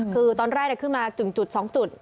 คือตอนแรกนั้นขึ้นมาจุดสองจุด